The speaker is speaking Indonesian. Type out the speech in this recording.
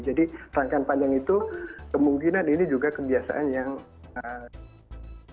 jadi rangkaian panjang itu kemungkinan ini juga kebiasaan yang dilintuh